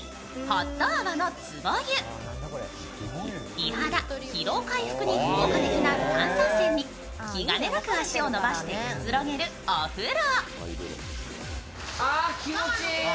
美肌、疲労回復に効果的な炭酸泉に気兼ねなく足を伸ばしてくつろげるお風呂。